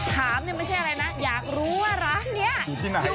ถามเนี่ยไม่ใช่อะไรนะอยากรู้ว่าร้านนี้อยู่ที่ไหน